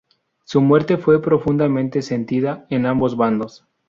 Su muerte fue profundamente sentida en ambos bandos.